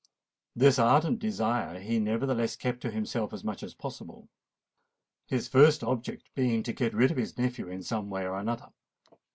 This ardent desire he nevertheless kept to himself as much as possible; his first object being to get rid of his nephew in some way or another.